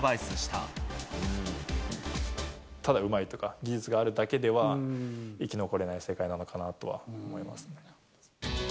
ただうまいとか、技術があるだけでは、生き残れない世界なのかなとは思いますね。